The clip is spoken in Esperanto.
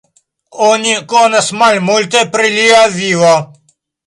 Oni konas malmulte pri lia vivo.